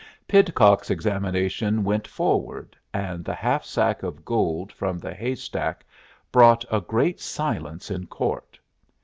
Pidcock's examination went forward, and the half sack of gold from the hay stack brought a great silence in court.